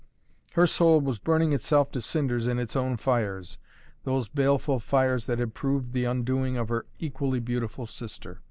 Her soul was burning itself to cinders in its own fires, those baleful fires that had proven the undoing of her equally beautiful sister.